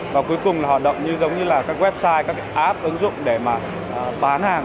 và cuối cùng là hoạt động giống như là các website các app ứng dụng để mà bán hàng